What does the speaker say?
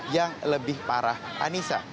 yang lebih parah anissa